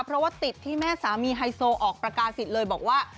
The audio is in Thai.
เพราะว่าติดที่แม่สามีไฮโซออกประกาศิษย์เลยบอกว่า